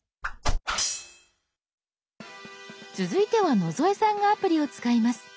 続いては野添さんがアプリを使います。